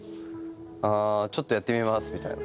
「あちょっとやってみます」みたいな。